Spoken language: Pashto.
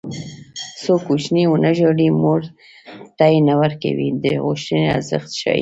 څو کوچنی ونه ژاړي مور تی نه ورکوي د غوښتنې ارزښت ښيي